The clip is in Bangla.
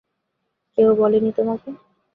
কেউ বলেনি তোমাকে?